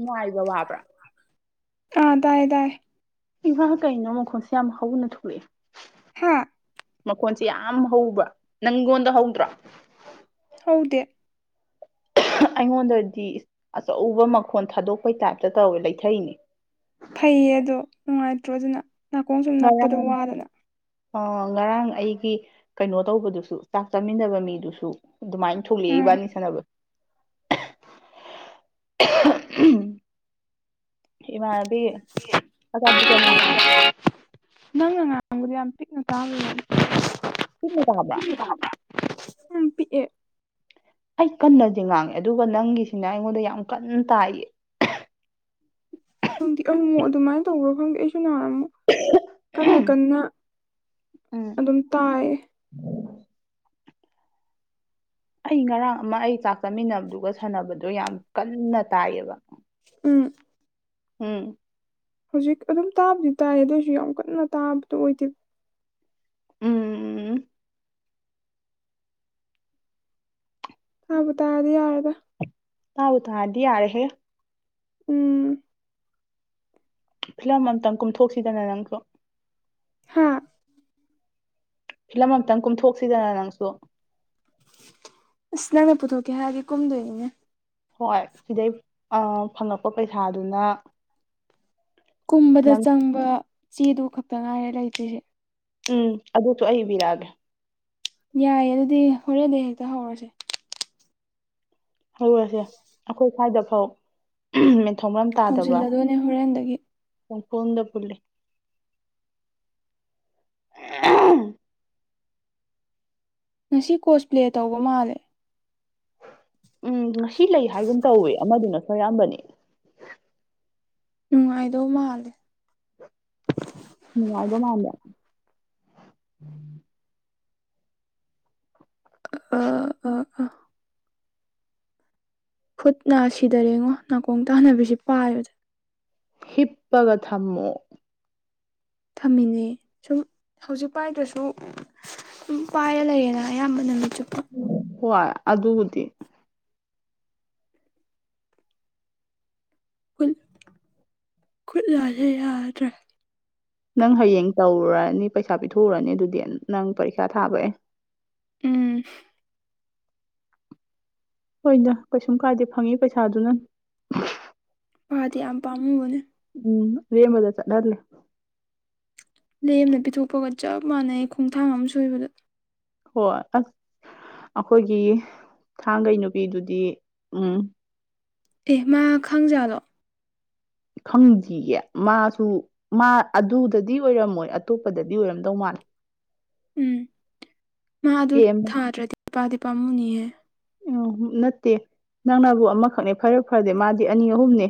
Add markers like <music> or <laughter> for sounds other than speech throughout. ꯉꯥꯏꯕ ꯋꯥꯕ꯭ꯔꯥ ꯑ ꯇꯥꯏ ꯇꯥꯏ ꯏꯝꯍꯥ ꯀꯩꯅꯣ ꯃꯈꯣꯟꯁꯦ ꯌꯥꯝ ꯍꯧꯅ ꯊꯣꯂꯛꯑꯦ ꯍꯥꯥ ꯃꯈꯣꯟꯁꯦ ꯌꯥꯝ ꯍꯧꯕ ꯅꯪꯉꯣꯟꯗ ꯍꯧꯗ꯭ꯔꯣ ꯍꯧꯗꯦ <unintelligible> ꯑꯩꯉꯣꯟꯗꯗꯤ ꯑꯆꯧꯕ ꯃꯈꯣꯟ ꯊꯥꯗꯣꯛꯄꯩ ꯇꯥꯏꯞꯇ ꯇꯧꯋꯦ ꯂꯩꯊꯩꯅꯦ ꯐꯩꯌꯦ ꯑꯗꯣ ꯅꯨꯡꯉꯥꯏꯇ꯭ꯔꯣ ꯑꯗꯨꯅ ꯅꯥꯀꯣꯡ ꯁꯨꯝ ꯉꯔꯥꯡ ꯅꯞꯄꯗꯣ ꯋꯥꯗꯅ ꯑ ꯉꯔꯥꯡ ꯑꯩ ꯀꯩꯅꯣ ꯇꯧꯕꯗꯨꯁꯨ ꯆꯥꯛ ꯆꯥꯃꯤꯟꯅꯕ ꯃꯤꯗꯨꯁꯨ ꯑꯗꯨꯃꯥꯏ ꯊꯣꯛꯂꯛꯏ ꯎꯝ ꯏꯕꯥꯅꯤ ꯁꯥꯟꯅꯕ <unintelligible> ꯏꯃꯥꯟꯅꯕꯤ ꯑꯆꯥꯄꯣꯠ ꯆꯥꯅꯤꯡꯉꯦ ꯅꯪꯅ ꯌꯥꯝ ꯄꯤꯛꯅ ꯇꯥꯕꯩ ꯋꯥꯅꯦ ꯄꯤꯛꯅ ꯇꯥꯕ꯭ꯔꯥ ꯎꯝ ꯄꯤꯛꯑꯦ ꯑꯩ ꯀꯟꯅꯗꯤ ꯉꯥꯡꯉꯦ ꯑꯗꯨꯒ ꯅꯪꯒꯤꯁꯤꯅ ꯑꯩꯉꯣꯟꯗ ꯌꯥꯝ ꯀꯟꯅ ꯇꯥꯏꯌꯦ <inaudible> ꯈꯪꯗꯦ ꯑꯃꯨꯛꯃꯨꯛ ꯑꯗꯨꯃꯥꯏ ꯇꯧꯕ꯭ꯔꯣ ꯈꯪꯗꯦ ꯑꯩꯁꯨ ꯅꯍꯥꯜ ꯑꯃꯨꯛ ꯀꯟꯅ ꯀꯟꯅ ꯎꯝ ꯑꯗꯨꯝ ꯇꯥꯏꯌꯦ ꯑꯩ ꯉꯔꯥꯡ ꯑꯃ ꯑꯩꯒ ꯆꯥꯛ ꯆꯥꯃꯤꯟꯅꯕꯗꯨꯒ ꯁꯥꯟꯅꯕꯗꯣ ꯌꯥꯝ ꯀꯟꯅ ꯇꯥꯏꯌꯦꯕ ꯎꯝ ꯎꯝ ꯍꯧꯖꯤꯛ ꯑꯗꯨꯝ ꯇꯥꯕꯨꯗꯤ ꯇꯥꯏ ꯑꯗꯨꯑꯣꯏꯁꯨ ꯌꯥꯝ ꯀꯟꯅ ꯇꯥꯕꯗꯨ ꯑꯣꯏꯗꯦꯕ ꯎꯝ ꯎꯝ ꯇꯥꯕꯨ ꯇꯥꯔꯗꯤ ꯌꯥꯔꯦꯗ ꯇꯥꯕꯨ ꯇꯥꯔꯗꯤ ꯌꯥꯔꯦ ꯍꯦ ꯎꯝ ꯐꯤꯂꯝ ꯑꯝꯇꯪ ꯀꯨꯝꯊꯣꯛꯁꯤꯗꯅ ꯅꯪꯁꯨ ꯍꯥꯥ ꯐꯤꯂꯝ ꯑꯝꯇꯪ ꯀꯨꯝꯊꯣꯛꯁꯤꯗꯅ ꯅꯪꯁꯨ ꯑꯁ ꯅꯪꯅ ꯄꯨꯊꯣꯛꯀꯦ ꯍꯥꯏꯔꯗꯤ ꯀꯨꯝꯗꯣꯏꯅꯤꯅꯦ ꯍꯣꯏ ꯁꯤꯗꯩ ꯑ ꯐꯪꯉꯛꯄ ꯄꯩꯁꯥꯗꯨꯅ ꯀꯨꯝꯕꯗ ꯅꯪ ꯆꯪꯕ ꯆꯦꯗꯨ ꯈꯛꯇ ꯉꯥꯏꯔꯦ ꯂꯩꯇ꯭ꯔꯤꯁꯦ ꯎꯝ ꯑꯗꯨꯁꯨ ꯑꯩ ꯏꯕꯤꯔꯛꯑꯒꯦ ꯌꯥꯏꯌꯦ ꯑꯗꯨꯗꯤ ꯍꯣꯔꯦꯟꯗꯩ ꯍꯦꯛꯇ ꯍꯧꯔꯁꯦ ꯍꯧꯔꯁꯦ ꯑꯩꯈꯣꯏ ꯁ꯭ꯋꯥꯏꯗꯐꯥꯎ ꯍꯧꯖꯤꯜꯂꯗꯣꯏꯅꯦ ꯍꯣꯔꯦꯟꯗꯒꯤ ꯄꯪꯄꯨꯟꯗ ꯄꯨꯜꯂꯤ <unintelligible> ꯉꯁꯤ ꯀꯣꯁ ꯄ꯭ꯂꯦ ꯇꯧꯕ ꯃꯥꯜꯂꯦ ꯎꯝ ꯉꯁꯤ ꯂꯩ ꯍꯥꯏꯒꯨꯝ ꯇꯧꯋꯦ ꯑꯃꯗꯨꯅꯁꯨ ꯍꯥꯏꯔꯑꯝꯕꯅꯦ ꯅꯨꯡꯉꯥꯏꯗꯧ ꯃꯥꯜꯂꯦ ꯅꯨꯡꯉꯥꯏꯕ ꯃꯥꯟꯕ <inaudible> ꯑ ꯑ ꯑ ꯈꯨꯠꯅ ꯁꯤꯗꯔꯦꯉꯣ ꯅꯥꯀꯣꯡ ꯇꯥꯅꯕꯤꯁꯦ ꯄꯥꯏꯕꯗ ꯍꯤꯞꯄꯒ ꯊꯝꯃꯣ ꯊꯝꯃꯤꯅꯦ ꯁꯨꯝ ꯍꯧꯖꯤꯛ ꯄꯥꯏꯗ꯭ꯔꯁꯨ <unintelligible> ꯄꯥꯏꯔ ꯂꯩꯔꯦꯅ ꯑꯌꯥꯝꯕ ꯅꯨꯃꯤꯠ ꯆꯨꯞꯄ ꯍꯣꯏ ꯑꯗꯨꯕꯨꯗꯤ <unintelligible> ꯈꯨꯠ ꯂꯥꯜꯂꯦ ꯌꯥꯗ꯭ꯔꯦ ꯅꯪ ꯍꯌꯦꯡ ꯇꯧꯔꯨꯔꯅꯤ ꯄꯩꯁꯥ ꯄꯤꯊꯣꯛꯎꯔꯅꯤ ꯑꯗꯨꯗꯤ ꯅꯪ ꯄꯔꯤꯈꯥ ꯊꯥꯕꯩ ꯑꯩꯅ ꯎꯝ ꯍꯣꯏꯗ ꯀꯩꯁꯨꯝ ꯀꯥꯏꯗꯦ ꯐꯪꯉꯤ ꯄꯩꯁꯥꯗꯨꯅ ꯄꯥꯗꯤ ꯌꯥꯝ ꯄꯥꯝꯃꯨꯕꯅꯦ ꯔꯦꯝꯕꯗ ꯆꯠꯍꯜꯂꯦ ꯂꯦꯝꯅ ꯄꯤꯊꯣꯛꯄꯒ ꯆꯞ ꯃꯥꯟꯅꯩ ꯈꯣꯡꯊꯥꯡ ꯑꯝ ꯁꯣꯏꯕꯗ ꯍꯣꯏ <unintelligible> ꯑꯈꯣꯏꯒꯤ ꯊꯥꯡꯒꯩ ꯅꯨꯄꯤꯗꯨꯗꯤ ꯎꯝ ꯑꯦ ꯃꯥ ꯈꯪꯖꯥꯠꯂꯣ ꯈꯪꯗꯤꯌꯦ ꯃꯥꯖꯨ ꯃꯥ ꯑꯗꯨꯗꯗꯤ ꯑꯣꯏꯔꯝꯃꯣꯏ ꯑꯇꯣꯞꯄꯗꯗꯤ ꯑꯣꯏꯔꯝꯗꯧ ꯃꯥꯜꯂꯦ ꯎꯝ ꯃꯥ ꯑꯗꯨ ꯑꯦ ꯊꯥꯗ꯭ꯔꯗꯤ ꯄꯥꯗꯤ ꯄꯥꯝꯃꯨꯅꯤꯍꯦ ꯎꯝ ꯅꯠꯇꯦ ꯅꯪꯅꯕꯨ ꯑꯃꯈꯛꯅꯦ <unintelligible> ꯐꯔꯗꯤ ꯃꯥꯗꯤ ꯑꯅꯤ ꯑꯍꯨꯝꯅꯦ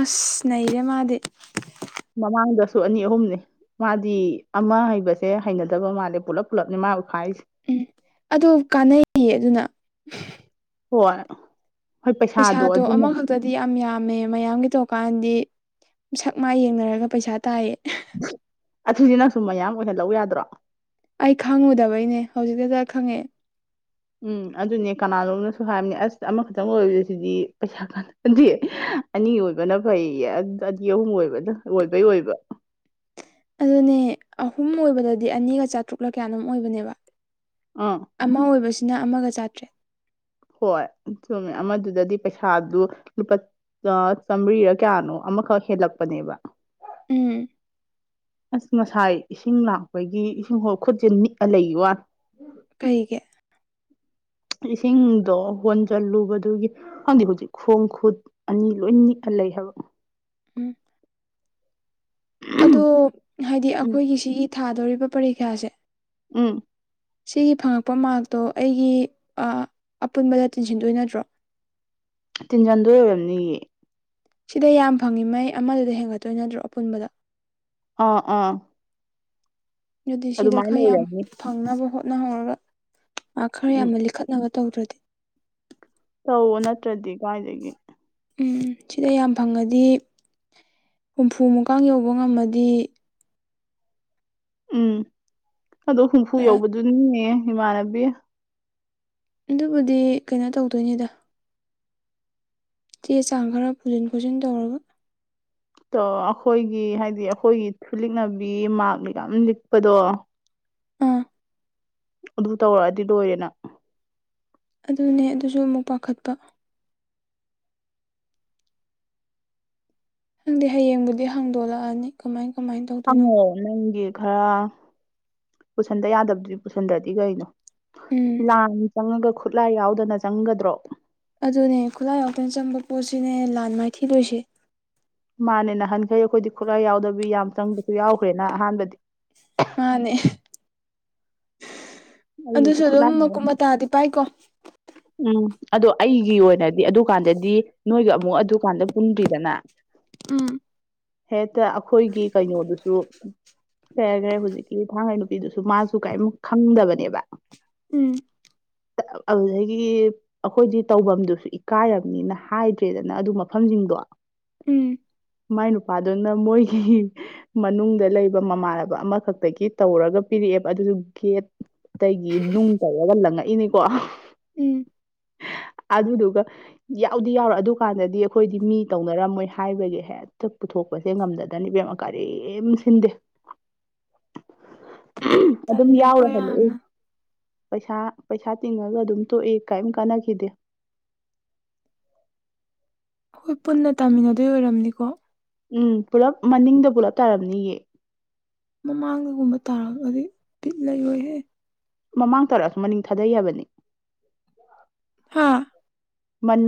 ꯑꯁ ꯅꯩꯔꯦ ꯃꯥꯗꯤ ꯃꯃꯥꯡꯗꯁꯨ ꯑꯅꯤ ꯑꯍꯨꯝꯅꯦ ꯃꯥꯗꯤ ꯑꯃ ꯍꯩꯕꯁꯦ ꯍꯩꯅꯗꯕ ꯃꯥꯜꯂꯦ ꯄꯨꯂꯞ ꯄꯨꯜꯂꯞꯅꯦ ꯃꯥ ꯎꯈꯥꯏꯔꯤꯁꯦ ꯎꯝ ꯑꯗꯨ ꯀꯥꯟꯅꯩꯌꯦ ꯑꯗꯨꯅ <unintelligible> ꯍꯣꯏ ꯍꯣꯏ ꯄꯩꯁꯥꯗꯣ ꯑꯗꯨꯅ ꯑꯃꯈꯛꯇꯗꯤ ꯌꯥꯝ ꯌꯥꯝꯃꯦ ꯃꯌꯥꯝꯒꯤ ꯇꯧꯀꯥꯟꯗꯤ ꯁꯛ ꯃꯥꯥꯏ ꯌꯦꯡꯅꯔꯒ ꯄꯩꯁꯥ ꯇꯥꯏꯌꯦ ꯑꯗꯨꯗꯤ ꯅꯪꯁꯨ ꯃꯌꯥꯝ ꯑꯣꯏꯍꯜꯂꯛꯎ ꯌꯥꯗ꯭ꯔꯣ ꯑꯩ ꯈꯪꯉꯨꯗꯕꯩꯅꯦ ꯍꯧꯖꯤꯛꯇꯗ ꯈꯪꯉꯑꯦ ꯎꯝ ꯑꯗꯨꯅꯦ ꯀꯅꯥꯅꯣꯝꯅꯁꯨ ꯍꯥꯏꯕꯅꯦ ꯑꯁ ꯑꯃꯈꯛꯇꯪ ꯑꫭꯏꯕꯁꯤꯗꯤ ꯄꯩꯁꯥ ꯀꯥꯟꯅꯗꯦ <unintelligible> ꯑꯅꯤ ꯑꯣꯏꯕꯅ ꯐꯩꯌꯦ <unintelligible> ꯑꯅꯤ ꯑꯍꯨꯝ ꯑꯣꯏꯕꯅ ꯑꯣꯏꯕꯩ ꯑꯣꯏꯕ ꯑꯗꯨꯅꯦ ꯑꯍꯨꯝ ꯑꯣꯏꯕꯗꯗꯤ ꯑꯅꯤꯒ ꯆꯥꯇ꯭ꯔꯨꯛꯂ ꯀꯌꯥꯅꯣꯝ ꯑꯣꯏꯕꯅꯦꯕ ꯑꯥ ꯑꯃ ꯑꯣꯏꯕꯁꯤꯅ ꯑꯃꯒ ꯆꯥꯠꯇ꯭ꯔꯦ ꯍꯣꯏ ꯆꯨꯝꯃꯦ ꯑꯃꯗꯨꯗꯗꯤ ꯄꯩꯁꯥꯗꯨ ꯂꯨꯄꯥ ꯆꯥꯝꯃꯔꯤꯔ ꯀꯌꯥꯅꯣ ꯑꯃꯈꯛ ꯍꯦꯜꯂꯛꯄꯅꯦꯕ ꯎꯝ ꯑꯁ ꯉꯁꯥꯏ ꯏꯁꯤꯡ ꯂꯥꯛꯄꯒꯤ ꯏꯁꯤꯡ ꯍꯣꯜ ꯈꯨꯠꯁꯦ ꯅꯤꯛꯑ ꯂꯩꯒꯤ‌ꯋꯥꯅꯤ ꯀꯩꯒꯤ ꯏꯁꯤꯡꯗꯣ ꯍꯣꯟꯖꯜꯂꯨꯕꯗꯨꯒꯤ ꯈꯪꯗꯦ ꯍꯧꯖꯤꯛ ꯈꯣꯡ ꯈꯨꯠ ꯑꯅꯤ ꯂꯣꯏ ꯅꯤꯛꯑ ꯂꯩ ꯍꯥꯏꯕ ꯎꯝ ꯑꯗꯣ ꯍꯥꯏꯗꯤ ꯎꯝ ꯑꯈꯣꯏꯒꯤ‌ ꯁꯤꯒꯤ ꯊꯥꯗꯣꯔꯤꯕ ꯄꯔꯤꯈꯥꯁꯦ ꯎꯝ ꯁꯤꯒꯤ ꯐꯪꯉꯛꯄ ꯃꯥꯛꯇꯣ ꯑꯩꯒꯤ ꯑ ꯑꯄꯨꯟꯕꯗ ꯇꯤꯟꯁꯤꯟꯗꯣꯏ ꯅꯠꯇ꯭ꯔꯣ ꯇꯤꯟꯖꯟꯗꯣꯏ ꯑꯣꯏꯔꯝꯅꯤꯌꯦ ꯁꯤꯗ ꯌꯥꯝ ꯐꯪꯉꯤ ꯃꯩ ꯑꯃꯗꯨꯗ ꯍꯦꯟꯒꯠꯇꯣꯏ ꯅꯠꯇ꯭ꯔꯣ ꯑꯄꯨꯟꯕꯗ ꯑꯥ ꯑꯥ ꯑꯗꯨꯗꯤ ꯁꯤꯗ ꯑꯗꯨꯃꯥꯏꯅ ꯈꯔ ꯌꯥꯝ ꯑꯣꯏꯔꯝꯅꯤ ꯐꯪꯅꯕ ꯍꯣꯠꯅꯍꯧꯔꯒ ꯑꯥ ꯈꯔ ꯎꯝ ꯌꯥꯝꯅ ꯂꯤꯈꯠꯅꯕ ꯇꯧꯗ꯭ꯔꯗꯤ ꯇꯧꯋꯣ ꯅꯠꯇ꯭ꯔꯗꯤ ꯀꯥꯏꯗꯒꯤ ꯎꯝ ꯁꯤꯗ ꯌꯥꯝ ꯐꯪꯉꯗꯤ ꯍꯨꯝꯐꯨꯃꯨꯛꯀ ꯌꯧꯕ ꯉꯝꯃꯗꯤ ꯎꯝ ꯑꯗꯣ ꯍꯨꯝꯐꯨ ꯈꯔ ꯌꯧꯕꯗꯨꯅꯦ ꯏꯃꯥꯟꯅꯕꯤ ꯑꯗꯨꯕꯨꯗꯤ ꯀꯩꯅꯣ ꯇꯧꯗꯣꯏꯅꯤꯗ ꯆꯦ ꯆꯥꯡ ꯈꯔ ꯄꯨꯖꯤꯟ ꯈꯣꯠꯆꯤꯟ ꯇꯧꯔꯒ ꯇꯣ ꯑꯩꯈꯣꯏꯒꯤ ꯍꯥꯏꯗꯤ ꯑꯩꯈꯣꯏꯒꯤ ꯊꯨꯂꯤꯛꯅꯕꯤ ꯃꯥꯛꯅ ꯌꯥꯝ ꯂꯤꯛꯄꯗꯣ ꯑ ꯑꯗꯨ ꯇꯧꯔꯛꯑꯗꯤ ꯂꯣꯏꯔꯦ ꯅꯪ ꯑꯗꯨꯅꯦ ꯑꯗꯨꯁꯨ ꯑꯃꯨꯛ ꯄꯥꯈꯠꯄ ꯈꯪꯗꯦ ꯍꯌꯦꯡꯕꯨꯗꯤ ꯍꯥꯡꯗꯣꯛꯂꯛꯑꯅꯤ ꯀꯃꯥꯏꯅ ꯇꯧꯗꯣꯏꯅꯣ ꯍꯪꯉꯣ ꯅꯪꯒꯤ ꯈꯔ ꯄꯨꯁꯟꯗ ꯌꯥꯗꯕꯗꯨꯗꯤ ꯄꯨꯁꯟꯗ꯭ꯔꯗꯤ ꯀꯩꯅꯣ ꯎꯝ ꯂꯥꯟ ꯆꯪꯉꯒ ꯈꯨꯠꯂꯥꯏ ꯌꯥꯎꯗꯅ ꯆꯪꯒꯗ꯭ꯔꯣ ꯑꯗꯨꯅꯦ ꯈꯨꯠꯂꯥꯏ ꯌꯥꯎꯗꯅ ꯆꯪꯝꯕ ꯄꯣꯠꯁꯤꯅꯦ ꯂꯥꯟ ꯃꯥꯏꯊꯤꯗꯣꯏꯁꯦ ꯃꯥꯅꯦ ꯅꯍꯟꯈꯩ ꯑꯩꯈꯣꯏꯗꯤ ꯈꯨꯠꯂꯥꯏ ꯌꯥꯎꯗꯕꯤ ꯌꯥꯝ ꯆꯪꯕꯁꯨ ꯌꯥꯎꯈ꯭ꯔꯦꯅ ꯑꯍꯥꯟꯕꯗꯤ ꯃꯥꯅꯦ ꯑꯩꯅꯁꯨ ꯑꯗꯨꯁꯨ ꯑꯗꯨꯝ ꯈꯨꯠꯂꯥꯏ ꯃꯀꯨꯞ ꯌꯥꯎ- ꯃꯇꯥꯗꯤ ꯄꯥꯏꯀꯣ ꯎꯝ ꯑꯗꯣ ꯑꯩꯒꯤ ꯑꯣꯏꯅꯗꯤ ꯑꯗꯨꯀꯥꯟꯗꯗꯤ ꯅꯣꯏꯒ ꯑꯃꯨꯛ ꯑꯗꯨꯀꯥꯟꯗ ꯄꯨꯟꯗ꯭ꯔꯤꯗꯅ ꯎꯝ ꯍꯦꯛꯇ ꯑꯩꯈꯣꯏꯒꯤ ꯀꯩꯅꯣꯗꯨꯁꯨ ꯀꯩ ꯍꯥꯏꯒꯔꯦ ꯍꯧꯖꯤꯛꯀꯤ ꯊꯥꯡꯉꯩ ꯅꯨꯄꯤꯗꯨꯁꯨ ꯃꯥꯁꯨ ꯀꯔꯤꯝ ꯈꯪꯗꯕꯅꯦꯕ ꯎꯝ ꯑꯗꯨꯗꯩ ꯒꯤ ꯑꯈꯣꯏꯗꯤ ꯇꯧꯐꯝꯗꯨꯁꯨ ꯏꯀꯥꯏꯔꯕꯅꯤꯅ ꯍꯥꯏꯗ꯭ꯔꯦꯗꯅ ꯑꯗꯨ ꯃꯐꯝꯁꯤꯡꯗꯣ ꯎꯝ ꯃꯥꯏ ꯅꯨꯄꯥꯗꯨꯅ ꯃꯣꯏꯒꯤ ꯃꯅꯨꯡꯗ ꯂꯩꯕ ꯃꯃꯥꯟꯅꯕ ꯑꯃꯈꯛꯇꯒꯤ ꯇꯧꯔꯒ ꯄꯤꯔꯛꯑꯦꯕ ꯑꯗꯨꯁꯨ ꯒꯦꯠ ꯇꯒꯤ ꯅꯨꯡ ꯇꯧꯔꯒ ꯂꯪꯉꯛꯏꯅꯤꯀꯣ ꯎꯝ <inaudible> ꯑꯗꯨꯗꯨꯒ ꯌꯥꯎꯗꯤ ꯌꯥꯎꯔ ꯑꯗꯨꯀꯥꯟꯗꯗꯤ ꯑꯈꯣꯏꯗꯤ ꯃꯤ ꯇꯧꯅꯔꯝꯃꯣꯏ ꯍꯥꯏꯕꯒꯤ ꯍꯦꯛꯇ ꯄꯨꯊꯣꯛ ꯄꯁꯦ ꯉꯝꯗꯗꯅ ꯏꯕꯦꯝꯃ ꯀꯔꯤꯝ ꯁꯤꯟꯗꯦ ꯑꯗꯨꯝ ꯇꯜꯂꯦ ꯌꯥꯎꯔ ꯑꯩꯈꯣꯏ ꯍꯜꯂꯛꯏ ꯌꯥꯝꯅ ꯄꯩꯁꯥ ꯄꯩꯁꯥ ꯇꯤꯡꯉꯒ ꯑꯗꯨꯝ ꯇꯣꯛꯑꯦ ꯀꯥꯏꯝ ꯀꯥꯟꯅ ꯈꯤꯗꯦ ꯍꯣꯏ ꯄꯨꯟꯅ ꯇꯥꯃꯤꯟꯅꯗꯣꯏ ꯑꯣꯏꯔꯝꯅꯤꯀꯣ ꯎꯝ ꯄꯨꯜꯂꯞ ꯃꯅꯤꯡꯗ ꯄꯨꯂꯞ ꯇꯥꯔꯝꯅꯤꯌꯦ ꯃꯃꯥꯡꯗꯒꯨꯝꯕ ꯇꯥꯔꯒꯗꯤ ꯕꯤꯠ ꯂꯩꯔꯣꯏꯍꯦ ꯃꯃꯥꯡ ꯇꯥꯔꯛꯑꯁꯨ ꯃꯅꯤꯡ ꯊꯥꯗꯩ ꯍꯥꯏꯕꯅꯤ ꯍꯥꯥ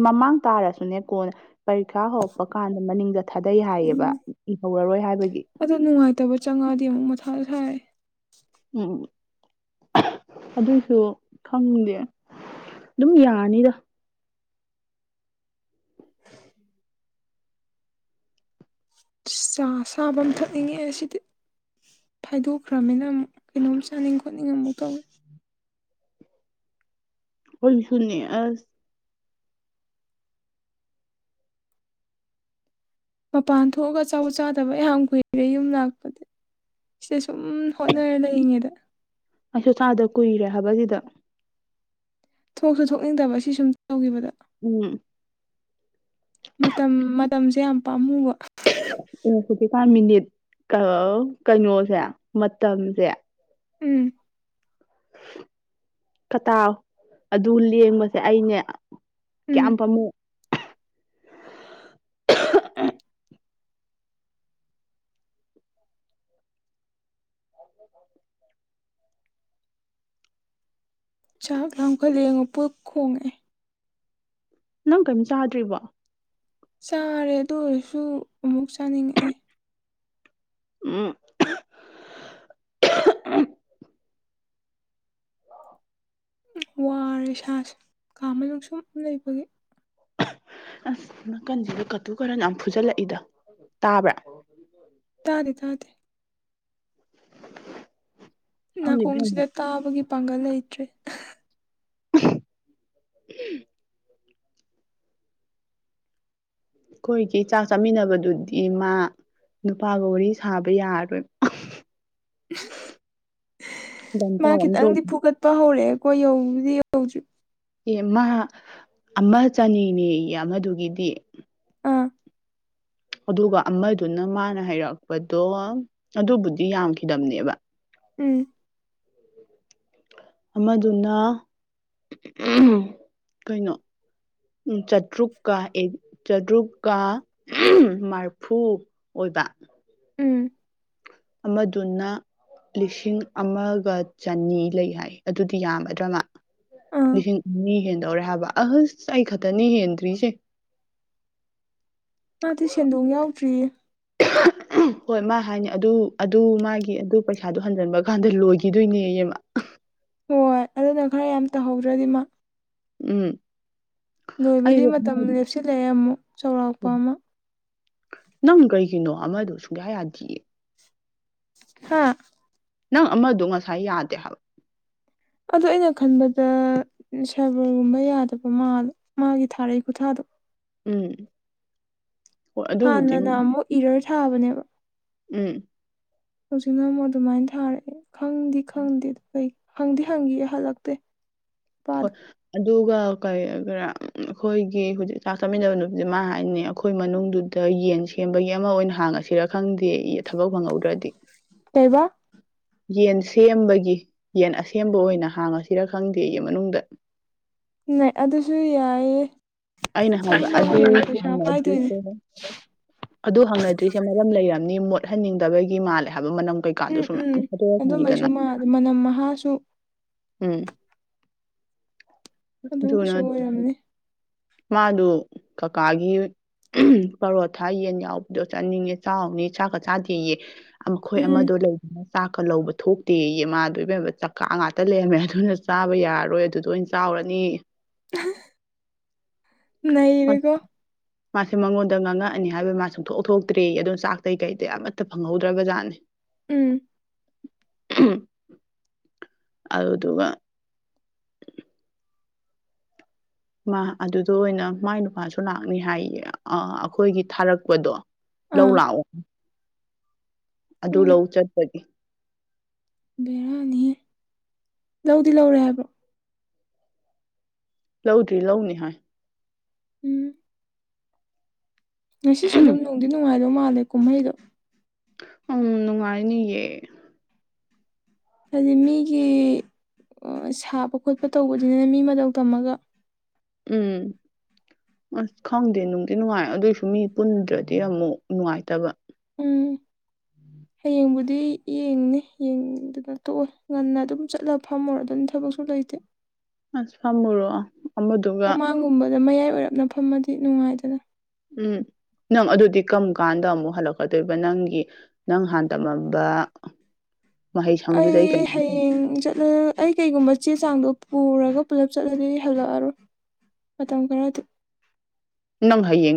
ꯃꯃꯥꯡ ꯇꯥꯔꯁꯨꯅꯦ ꯀꯣꯟꯅ ꯄꯔꯤꯈꯥ ꯍꯧꯔꯛꯄ ꯀꯥꯟꯗ ꯃꯅꯤꯡꯗ ꯊꯥꯗꯩ ꯎꯝ ꯍꯥꯏꯌꯦꯕ ꯏꯍꯧꯔꯔꯣꯏ ꯍꯥꯏꯕꯒꯤ ꯑꯗꯨ ꯅꯨꯡꯉꯥꯏꯇꯕ ꯆꯪꯉꯗꯤ ꯑꯃꯨꯛ ꯃꯊꯥ ꯁꯥꯏ ꯎꯝ ꯑꯗꯨꯏꯁꯨ ꯈꯪꯗꯦ ꯑꯗꯨꯝ ꯌꯥꯅꯤꯗ ꯆꯥ ꯑꯁꯥꯕ ꯑꯝ ꯊꯛꯅꯤꯡꯉꯦ ꯁꯤꯗꯤ ꯐꯥꯏꯗꯣꯛꯈ꯭ꯔꯝꯅꯤꯅ ꯑꯃꯨꯛ ꯀꯩꯅꯣꯝ ꯆꯥꯅꯤꯡ ꯈꯣꯠꯅꯤꯡ ꯑꯃꯨꯛ ꯇꯧꯋꯦ ꯑꯩꯈꯣꯏꯁꯨꯅꯦ ꯑꯁ ꯃꯄꯥꯟ ꯊꯣꯛꯑꯒ ꯑꯆꯥꯄꯣꯠ ꯆꯥꯗꯕ ꯌꯥꯝ ꯀꯨꯏꯔꯦ ꯌꯨꯝ ꯂꯥꯛꯄꯗꯩ ꯁꯤꯗ ꯁꯨꯝ ꯍꯣꯠꯅꯔ ꯂꯩꯔꯤꯉꯩꯗ ꯑꯩꯁꯨ ꯆꯥꯗ ꯀꯨꯏꯔꯦ ꯍꯥꯏꯕꯁꯤꯗ ꯊꯣꯛꯁꯨ ꯊꯣꯛꯅꯤꯡꯇꯕ ꯁꯤ ꯁꯨꯝ ꯇꯤꯒꯤꯕꯗ ꯎꯝ ꯃꯇꯝ ꯃꯇꯝꯁꯦ ꯌꯥꯝ ꯄꯥꯝꯃꯨꯕ ꯎꯝ ꯍꯧꯖꯤꯛꯀꯤꯟ ꯃꯤꯅꯤꯠ ꯀꯥꯎ ꯀꯩꯅꯣꯁꯦ ꯃꯇꯝꯁꯦ ꯎꯝ ꯀꯇꯥꯥꯎ ꯑꯗꯨ ꯂꯦꯡꯕꯁꯦ ꯑꯩꯅꯦ ꯀꯌꯥꯝ ꯎꯝ ꯄꯥꯝꯃꯨ ꯆꯥꯛ ꯂꯥꯝꯈꯠ ꯂꯛꯑꯦꯉꯣ ꯄꯨꯛ ꯈꯣꯡꯉꯛꯑꯦ ꯅꯪ ꯀꯩꯝ ꯆꯥꯗ꯭ꯔꯤꯕꯣ ꯆꯥꯔꯦ ꯑꯗꯨ ꯑꯣꯏꯔꯁꯨ ꯑꯃꯨꯛ ꯆꯥꯅꯤꯡꯉꯛꯑꯦ ꯎꯝ ꯋꯥꯔꯦ ꯏꯁꯥꯥꯁꯦ ꯀꯥ ꯃꯅꯨꯛ ꯁꯨꯝ ꯂꯩꯕꯒꯤ ꯑꯁ ꯅꯥꯀꯟꯁꯤꯗ ꯀꯇꯨ ꯀꯔꯟ ꯌꯥꯝ ꯐꯨꯖꯜꯂꯛꯏꯗ ꯇꯥꯕ꯭ꯔꯥ ꯇꯥꯗꯦ ꯇꯥꯗꯦ ꯈꯪꯗꯦ ꯏꯕꯦꯝꯃ ꯅꯥꯀꯣꯡꯁꯤꯗ ꯇꯥꯕꯒꯤ ꯄꯥꯡꯒꯜ ꯂꯩꯇ꯭ꯔꯦ <inaudible> ꯑꯩꯈꯣꯏꯒꯤ ꯆꯥꯛ ꯆꯥꯃꯤꯟꯅꯕꯗꯨꯗꯤ ꯃꯥ ꯅꯨꯄꯥꯒ ꯋꯥꯔꯤ ꯁꯥꯕ ꯌꯥꯔꯔꯣꯏ <unintelligible> <inaudible> ꯃꯥ ꯒꯟꯖꯥꯎ ꯑꯃ ꯈꯤꯇꯪꯗꯤ ꯇꯣꯛꯈꯤ ꯐꯨꯒꯠꯄ ꯍꯧꯔꯛꯑꯦꯀꯣ ꯌꯧꯕꯨꯗꯤ ꯌꯧꯗ꯭ꯔꯤ ꯑꯦ ꯃꯥ ꯑꯃ ꯆꯅꯤꯅꯦꯌꯦ ꯑꯃꯗꯨꯒꯤꯗꯤ ꯑꯥ ꯑꯗꯨꯒ ꯑꯃꯗꯨꯅ ꯃꯥꯅ ꯍꯥꯏꯔꯛꯄꯗꯣ ꯑꯗꯨꯕꯨꯗꯤ ꯌꯥꯝꯈꯤꯗꯕꯅꯦꯕ ꯎꯝ ꯑꯃꯗꯨꯅ ꯀꯩꯅꯣ ꯎꯝ ꯆꯇ꯭ꯔꯨꯛ ꯀꯥ ꯆꯥꯇ꯭ꯔꯨꯛ ꯀꯥ ꯃꯔꯐꯨ ꯕ ꯎꯝ ꯑꯃꯗꯨꯅ ꯂꯤꯁꯤꯡ ꯑꯃꯒ ꯆꯅꯤ ꯂꯩ ꯍꯥꯏ ꯑꯗꯨꯗꯤ ꯌꯥꯝꯃꯗ꯭ꯔꯥ ꯃꯥ ꯑꯥ ꯂꯤꯁꯤꯡ ꯑꯅꯤ ꯍꯦꯟ ꯗꯧꯔꯦ ꯍꯥꯏꯕ ꯑꯁ ꯑꯩ ꯈꯛꯇꯅꯤ ꯍꯦꯟꯗ꯭ꯔꯤꯁꯦ ꯃꯥꯗꯤ ꯁꯦꯟꯗꯣꯡ ꯌꯥꯎꯗ꯭ꯔꯤꯌꯦ ꯎꯝ ꯍꯣꯏ ꯃꯥ ꯍꯥꯏꯅꯤ ꯑꯗꯨ ꯑꯗꯨ ꯃꯥꯒꯤ ꯑꯗꯨ ꯄꯩꯁꯥꯗꯨ ꯍꯟꯖꯤꯟꯕ ꯀꯥꯟꯗ ꯂꯣꯏꯒꯤꯗꯣꯏꯅꯦꯌꯦ ꯃꯥ <unintelligible> ꯍꯣꯏ ꯑꯗꯨꯅ ꯈꯔ ꯌꯥꯝ ꯇꯧꯍꯧꯗ꯭ꯔꯗꯤ ꯃꯥ ꯎꯝ ꯂꯣꯏꯕꯗꯤ ꯑꯩꯁꯨ ꯑꯃ ꯃꯇꯝ ꯂꯦꯞꯁꯤꯜꯂꯛꯑꯦ ꯑꯃꯨꯛ ꯆꯥꯎꯔꯥꯛꯄ ꯑꯃ ꯅꯪ ꯀꯩꯒꯤꯅꯣ ꯑꯃꯗꯣ ꯁꯨꯡꯌꯥ ꯌꯥꯗꯤꯌꯦ ꯍꯥꯥ ꯅꯪ ꯑꯃꯗꯣ ꯉꯁꯥꯏ ꯌꯥꯗꯦ ꯍꯥꯏꯕ ꯑꯗꯣ ꯑꯩꯅ ꯈꯟꯕꯗ ꯁꯥꯏꯕꯔꯒꯨꯝꯕ ꯌꯥꯗꯕ ꯃꯥꯜꯂꯦ ꯃꯥꯒꯤ ꯊꯥꯔꯛꯏ ꯈꯨꯊꯥꯗꯣ ꯎꯝ ꯍꯣꯏ ꯑꯗꯨꯕꯨꯗꯤ ꯍꯥꯟꯅꯅ ꯑꯃꯨꯛ ꯏꯔꯔ ꯊꯥꯕꯅꯦꯕ ꯎꯝ ꯍꯧꯖꯤꯛꯅ ꯑꯃꯨꯛ ꯑꯗꯨꯝꯃꯥꯏꯅ ꯊꯥꯔꯛꯑꯦ ꯈꯪꯗꯤ ꯈꯪꯗꯦ ꯑꯗꯨ ꯀꯩ ꯍꯪꯗꯤ ꯍꯪꯒꯤꯒꯦ ꯍꯜꯂꯛꯇꯦ ꯍꯣꯏ ꯅꯨꯄꯥꯗꯣ ꯑꯗꯨꯒ ꯀꯔꯤ <unintelligible> ꯑꯈꯣꯏꯒꯤ ꯍꯧꯖꯤꯛ ꯆꯥꯛ ꯆꯥꯃꯤꯟꯅꯕ ꯅꯨꯄꯤꯗꫭ ꯃꯥ ꯍꯥꯏꯅꯦ ꯑꯈꯣꯏ ꯃꯅꯨꯡꯗꯨꯗ ꯌꯦꯟ ꯁꯦꯝꯕꯒꯤ ꯑꯃ ꯑꯣꯏꯅ ꯍꯥꯡꯉꯁꯤꯔ ꯈꯪꯗꯦꯌꯦ ꯊꯕꯛ ꯐꯪꯍꯧꯗ꯭ꯔꯗꯤ ꯀꯩꯕ ꯌꯦꯟ ꯁꯦꯝꯕꯒꯤ ꯌꯦꯟ ꯑꯁꯦꯝꯕ ꯑꯣꯏꯅ ꯍꯥꯡꯉꯁꯤꯔ ꯈꯪꯗꯦꯌꯦ ꯃꯅꯨꯡꯗ <unintelligible> ꯑꯗꯨꯁꯨ ꯌꯥꯏꯌꯦ ꯑꯩꯅ ꯍꯥꯏꯕ ꯑꯗꯨꯅꯕꯨ ꯑꯗꯨ ꯍꯦꯟꯅ ꯄꯩꯁꯥ ꯄꯥꯏꯗꯣꯏꯅꯦ ꯍꯥꯡꯅꯗ꯭ꯔꯤꯁꯦ ꯑꯗꯨ ꯍꯥꯡꯅꯗ꯭ꯔꯤꯁꯦ ꯃꯔꯝ ꯂꯩꯔꯝ ꯅꯤ ꯃꯣꯠꯍꯟꯅꯤꯡꯗꯕꯒꯤ ꯃꯥꯜꯂꯦ ꯍꯥꯏꯕ ꯃꯅꯝ ꯎꯝ ꯀꯩꯀꯥꯗꯨꯁꯨ ꯃꯌꯥꯝ ꯎꯝ ꯊꯥꯗꯣꯛ ꯑꯗꯨꯝꯕꯩꯁꯨ ꯃꯥꯜꯂꯦ ꯃꯅꯝ ꯃꯍꯥꯁꯨ <unintelligible> ꯎꯝ ꯑꯗꯨꯅ ꯑꯗꯨꯒꯤꯁꯨ <unintelligible> ꯑꯣꯏꯔꯝꯅꯤ ꯃꯥꯗꫭ ꯀꯀꯥꯒꯤ <unintelligible> ꯄꯔꯣꯊꯥ ꯌꯦꯟ ꯌꯥꯎꯕꯤꯗꯣ ꯆꯥꯅꯤꯡꯉꯦ ꯆꯥꯎꯅꯤ ꯆꯥꯛꯀ ꯆꯥꯗꯦꯌꯦ ꯑꯪꯈꯣꯏ ꯎꯝ ꯑꯃꯗꯣ <unintelligible> ꯆꯥꯛꯀ ꯂꯧꯕ ꯊꯣꯛꯇꯦꯌꯦ ꯃꯥꯗꯣ ꯏꯕꯦꯝꯃ ꯆꯛꯀꯥ ꯉꯥꯛꯇ ꯂꯩꯔꯝꯃꯦ ꯑꯗꯨꯅ ꯆꯥꯕ ꯌꯥꯔꯔꯣꯏ ꯑꯗꯨꯗ ꯑꯣꯏ ꯆꯥꯎ ꯔꯅꯦꯌꯦ ꯑꯍ <unintelligible> ꯃꯥ- ꯅꯩꯔꯦꯀꯣ ꯃꯥꯁꯦ ꯃꯪꯉꯣꯟꯗ ꯉꯥꯡꯉꯛꯑꯅꯦ ꯍꯥꯏꯕꯩ ꯃꯥ ꯁꯨꯡꯊꯣꯛ ꯊꯣꯛꯇ꯭ꯔꯦꯌꯦ ꯑꯗꯣ ꯆꯥꯛꯇꯩ ꯀꯩꯗꯩ ꯑꯃꯠꯇ ꯐꯪꯍꯧꯗ꯭ꯔꯕ ꯖꯥꯠꯅꯤ ꯎꯝ <unintelligible> ꯑꯗꯨꯗꯨꯒ ꯃꯥ ꯑꯗꯨꯗ ꯑꯣꯏꯅ ꯃꯥꯏ ꯅꯨꯄꯥꯁꯨ ꯂꯥꯛꯅꯤ ꯍꯥꯏꯌꯦ ꯑ ꯑꯈꯣꯏꯒꯤ ꯊꯥꯔꯛꯄꯗꯣ ꯂꯧ ꯑꯥ ꯂꯥꯛꯑꯣ ꯑꯗꯨ ꯎꯝ ꯂꯧ ꯆꯠꯄꯒꯤ ꯕꯦꯔꯥꯅꯤꯍꯦ ꯂꯧꯗꯤ ꯂꯧꯔꯦ ꯍꯥꯏꯕ꯭ꯔꯣ ꯂꯧꯗ꯭ꯔꯤ ꯂꯧꯅꯤ ꯍꯥꯏ <unintelligible> ꯉꯁꯤꯁꯨ ꯑꯗꯨꯝ ꯅꯨꯡꯗꯤ ꯅꯨꯡꯉꯥꯏꯕ ꯃꯥꯜꯂꯦ ꯀꯨꯝꯍꯩꯗꯣ ꯎꯝ ꯅꯨꯡꯉꯥꯏꯅꯤꯌꯦ ꯍꯥꯏꯗꯤ ꯃꯤꯒꯤ ꯑ‌ ꯁꯥꯕ ꯈꯣꯠꯄ ꯇꯧꯕꯗꯨꯅ ꯃꯤ ꯃꯇꯧ ꯇꯝꯃꯒ ꯎꯝ ꯑꯁ ꯈꯪꯗꯦ ꯅꯨꯡꯗꯤ ꯅꯨꯡꯉꯥꯏ ꯑꯗꯨꯏꯁꯨ ꯃꯤ ꯄꯨꯟꯗ꯭ꯔꯗꯤ ꯑꯃꯨꯛ ꯅꯨꯡꯉꯥꯏꯇꯕ ꯎꯝ <inaudible> ꯍꯌꯦꯡꯕꯨꯗꯤ ꯌꯦꯡꯅꯤ ꯌꯦꯡꯗꯅ ꯇꯣꯛꯑꯣꯏ ꯉꯟꯅ ꯑꯗꯨꯝ ꯆꯠꯂꯒ ꯐꯝꯃꯨꯔꯗꯝꯅꯤ ꯊꯕꯛꯁꯨ ꯂꯩ ꯇꯦ ꯑꯁ ꯐꯝꯃꯨꯔꯣ ꯑꯃꯗꯨꯒ ꯑꯗꯨ ꯃꯌꯥꯏ ꯑꯣꯏꯔꯞꯅ ꯐꯝꯃꯗꯤ ꯅꯨꯡꯉꯥꯏꯗꯅ ꯎꯝ ꯅꯪ ꯑꯗꯨꯗꯤ ꯀꯝ ꯀꯥꯟꯗ ꯑꯃꯨꯛ ꯍꯜꯂꯛꯀꯗꯣꯏꯕ ꯅꯪꯒꯤ ꯅꯪ ꯍꯥꯟꯅ ꯇꯝꯃꯝꯕ ꯃꯍꯩ ꯁꯪꯗꯨꯗꯩ ꯑꯩ ꯀꯩꯅꯣ ꯍꯌꯦꯡ ꯆꯠꯂ ꯑꯩ ꯀꯩꯒꯨꯝꯕ ꯆꯦ ꯆꯥꯡꯗꯣ ꯄꯨꯔꯒ ꯄꯨꯜꯂꯞ ꯆꯠꯂꯗꯤ ꯍꯜꯂꯛꯑꯔꯣꯏ ꯃꯇꯝ ꯈꯔꯗꯤ ꯅꯪ ꯍꯌꯦꯡ